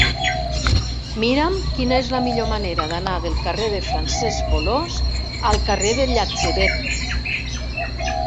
Mira'm quina és la millor manera d'anar del carrer de Francesc Bolòs al carrer del Llatzeret.